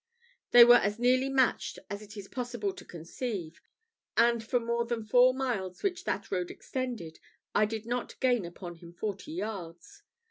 They were as nearly matched as it is possible to conceive; and for more than four miles which that road extended, I did not gain upon him forty yards.